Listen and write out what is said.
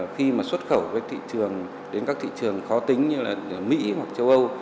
khi mà xuất khẩu với thị trường đến các thị trường khó tính như là mỹ hoặc châu âu